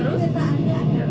ya ditahan saja